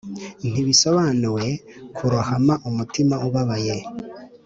ntibisobanuwe, kurohama, umutima ubabaye